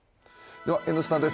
では、「Ｎスタ」です。